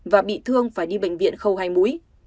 và bị thương phải đi bệnh viện khâu hai mũi